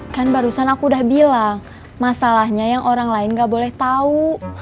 kan barusan aku udah bilang masalahnya yang orang lain gak boleh tahu